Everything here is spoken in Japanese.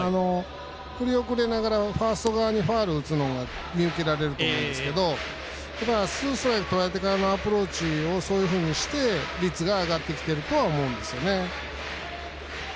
振り抜きながらファースト側にファウル打つのが見受けられると思うんですがツーストライクとられてからのアプローチをしてから率が上がってきてるとは思うんですよね。